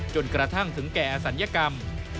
จนกระทั่งถึงแก่อศัลยกรรม